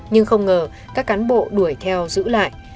nhưng không ngờ các cán bộ đuổi theo giữ lại